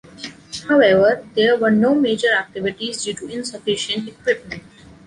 However, there were no major activities due to insufficient equipment.